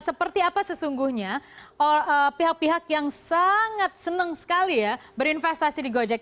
seperti apa sesungguhnya pihak pihak yang sangat senang sekali ya berinvestasi di gojek